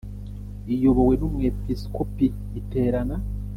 iyobowe n Umwepiskopi Iterana